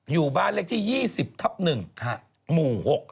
อยู่บ้านเลขที่๒๐ทับ๑หมู่๖